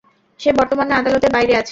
সে বর্তমানে আদালতের বাইরে আছে।